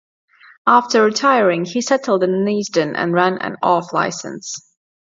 After retiring, he settled in Neasden and ran an off-licence.